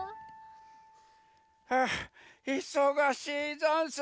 はあいそがしいざんす。